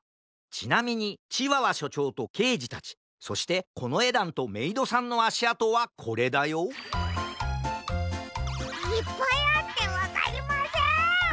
ちなみにチワワしょちょうとけいじたちそしてこのえだんとメイドさんのあしあとはこれだよいっぱいあってわかりません！